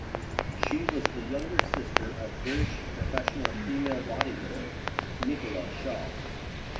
She was the younger sister of British professional female bodybuilder Nicola Shaw.